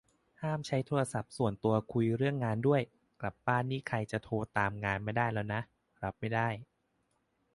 ห้ามใช้โทรศัพท์ส่วนตัวคุยเรื่องงานด้วย กลับบ้านนี่ใครจะโทรตามงานไม่ได้แล้วนะ รับไม่ได้